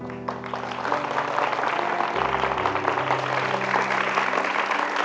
สวัสดีครับ